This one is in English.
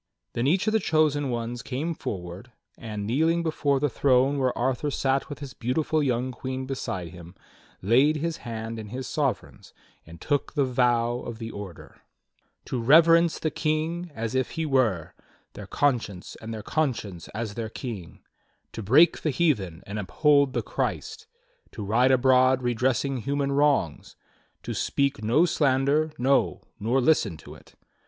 Then each of the chosen ones came forward, and kneeling before the throne where Arthur sat with his beautiful young queen beside him, laid his hand in his sovereign's and took the vow of the Order: "To reverence the King as if he were Their conscience, and their conscience as their King, To break the heathen and uphold the Christ, To ride abroad redressing human wrongs. To speak no slander, no, nor listen to it.